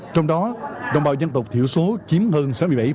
trong đó đồng bào dân tộc thiểu số chiếm hơn sáu mươi bảy